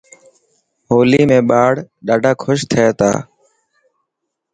هولي ۾ ٻار ڏاڌا ڪوش ٿي تا.